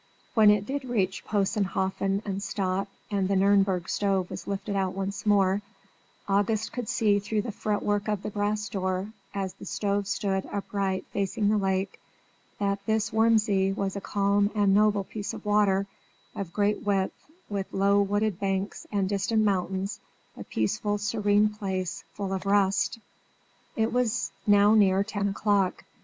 When it did reach Possenhofen and stop, and the Nürnberg stove was lifted out once more, August could see through the fretwork of the brass door, as the stove stood upright facing the lake, that this Wurm See was a calm and noble piece of water, of great width, with low wooded banks and distant mountains, a peaceful, serene place, full of rest. It was now near ten o'clock.